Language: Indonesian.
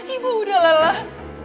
ibu udah lelah